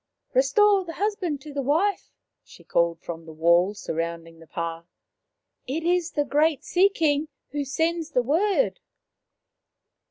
" Restore the husband to the wife," she called from the wall surrounding the pah. " It is the great Sea king who sends the word."